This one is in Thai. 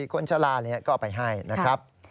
คนชะลาอย่างนี้ก็ไปให้นะครับ